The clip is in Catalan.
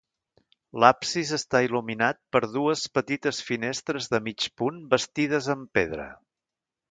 L'absis està il·luminat per dues petites finestres de mig punt bastides en pedra.